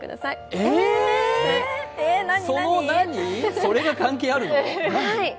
えー、それが関係あるの？